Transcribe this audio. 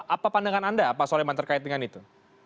apa pandangan anda pak soleman terkait dengan itu